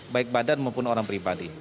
baik badan maupun orang pribadi